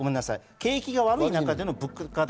景気が悪い中での物価高。